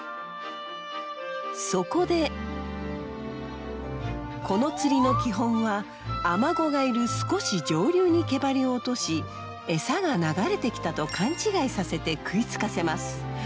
そこでこの釣りの基本はアマゴがいる少し上流に毛バリを落としエサが流れてきたと勘違いさせて食いつかせます。